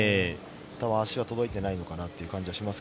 たぶん足は届いていないのかなという感じはします。